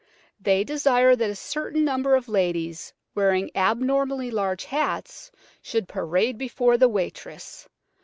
They desire that a certain number of ladies wearing abnormally large hats should parade before the waitress.